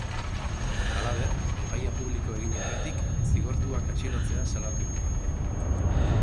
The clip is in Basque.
Halaber, epaia publiko egin aurretik zigortuak atxilotzea salatu du.